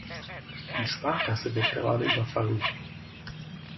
Die Sparkasse wird gerade überfallen.